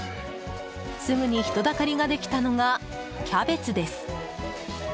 すぐに人だかりができたのがキャベツです。